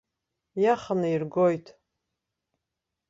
Иаханы иргоит.